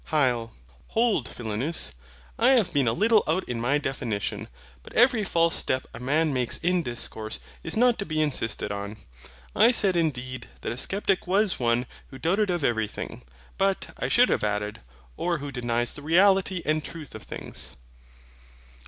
HYL. Hold, Philonous, I have been a little out in my definition; but every false step a man makes in discourse is not to be insisted on. I said indeed that a SCEPTIC was one who doubted of everything; but I should have added, or who denies the reality and truth of things.